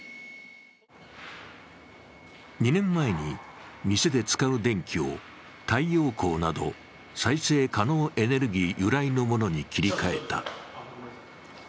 ２年前に、店で使う電気を太陽光など再生可能エネルギー由来のものに切り替えた。